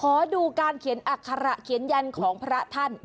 ขอดูการเขียนอัคระเขียนยันของพระท่าน